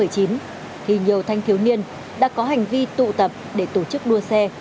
thì nhiều thanh thiếu niên đã có hành vi tụ tập để tổ chức đua xe